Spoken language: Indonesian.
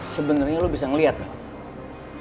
sebenernya lo bisa ngeliat mel